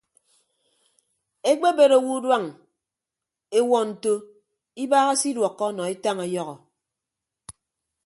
Ekpebet owo uduañ ewuọ nto ibaaha se iduọkkọ nọ etañ ọyọhọ.